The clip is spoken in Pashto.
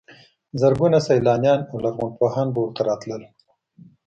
زرګونه سیلانیان او لرغونپوهان به ورته راتلل.